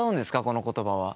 この言葉は。